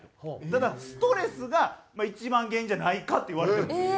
ただストレスが一番原因じゃないかっていわれてるんですよ。